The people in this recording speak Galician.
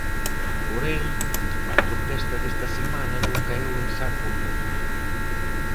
Porén, a protesta desta semana non caeu en saco roto.